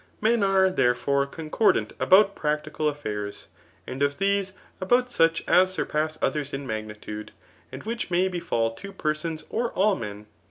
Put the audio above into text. Men are, therefore, concordant about practical affairs, and of these, about such as sur pass others in magnitude, and which may be£d two per sons or all men.